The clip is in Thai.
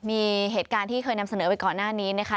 มีเหตุการณ์ที่เคยนำเสนอไปก่อนหน้านี้นะคะ